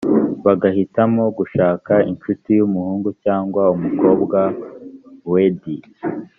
bagahitamo gushaka incuti y umuhungu cyangwa umukobwa wendy